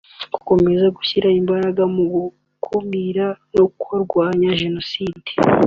Gukomeza gushyira imbaraga mu gukumira no kurwanya Jenoside